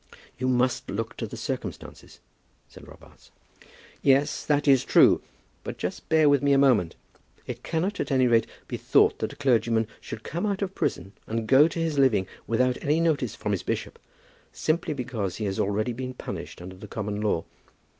"You must look to the circumstances," said Robarts. "Yes, that is true; but just bear with me a moment. It cannot, at any rate, be thought that a clergyman should come out of prison and go to his living without any notice from his bishop, simply because he has already been punished under the common law.